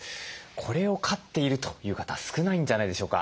これを飼っているという方は少ないんじゃないでしょうか。